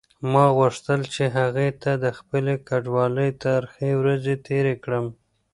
ما غوښتل چې هغې ته د خپلې کډوالۍ ترخې ورځې تېرې کړم.